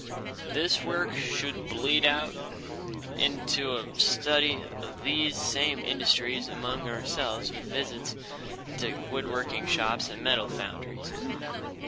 This work should lead out into a study of these same industries among ourselves with visits to wood working shops and metal foundries.